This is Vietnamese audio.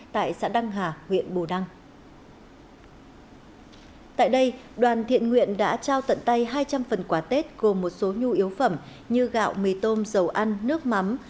tại đây đoàn thiện nguyện đã trao tận tay hai trăm linh phần quà tết gồm một số nhu yếu phẩm như gạo mì tôm dầu ăn nước mắm